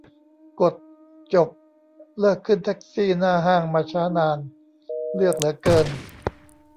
กด จบ เลิกขึ้นแท็กซี่หน้าห้างมาช้านาน เลือกเหลือเกิน